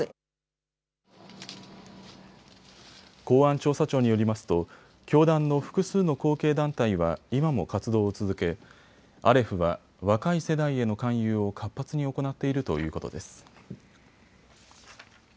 公安調査庁によりますと教団の複数の後継団体は今も活動を続けアレフは若い世代への勧誘を活発に行っているということです。